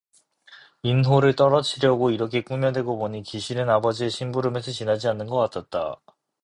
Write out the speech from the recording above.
인호를 떨어치려고 이렇게 꾸며 대고 보니 기실은 아버지의 심부름에서 지나지 않는 것 같았다.